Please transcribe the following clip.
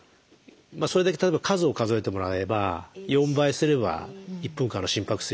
それだけ例えば数を数えてもらえば４倍すれば１分間の心拍数にもなりますので。